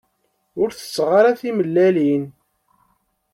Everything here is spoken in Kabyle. Ur tetteɣ ara timellalin.